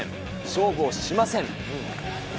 勝負をしません。